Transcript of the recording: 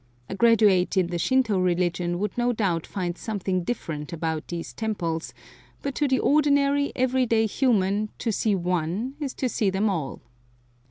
A graduate in the Shinto religion would no doubt find something different about these temples, but to the ordinary, every day human, to see one is to see them all.